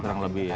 kurang lebih ya